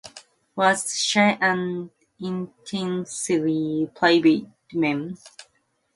Hemsley was a shy and intensely private man, described by some as reclusive.